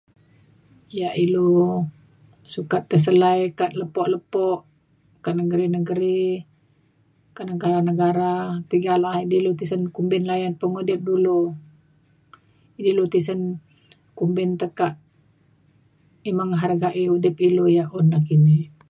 Ya ilu sukat teselai ka lepo lepo negeri negeri ka negara negara tiga layak na ilu tisen kumbin pengudip ilu ilu tisen kumbin deka' menghargai udip ilu ya un dakini.